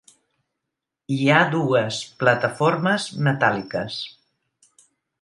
Hi ha dues plataformes metàl·liques.